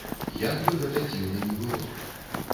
Як бы гэта дзіўна ні было.